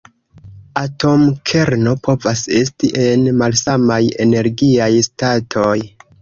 Atomkerno povas esti en malsamaj energiaj statoj.